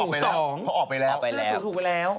เพราะออกไปแล้ว